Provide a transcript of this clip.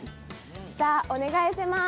じゃ、お願いします。